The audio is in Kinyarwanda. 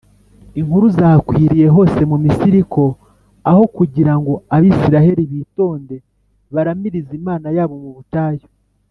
inkuru zakwiriye hose mu misiri ko aho kugira ngo abisiraheli bitonde baramirize imana yabo mu butayu,